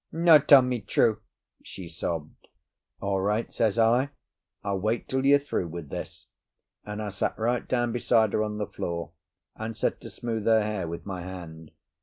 "No tell me true," she sobbed. "All right," says I, "I'll wait till you're through with this." And I sat right down beside her on the floor, and set to smooth her hair with my hand.